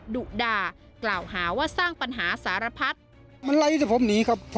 ดุด่ากล่าวหาว่าสร้างปัญหาสารพัฒน์